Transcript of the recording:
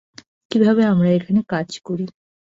কীভাবে আমরা এখানে কাজ করি।